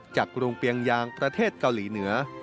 กรุงเปียงยางประเทศเกาหลีเหนือ